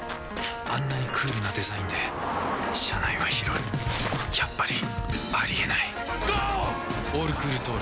あんなにクールなデザインで車内は広いやっぱりありえない用品